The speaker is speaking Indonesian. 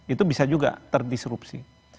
itu bisa juga terdisrupsi